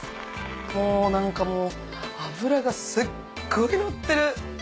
もう何かもう脂がすっごく乗ってる。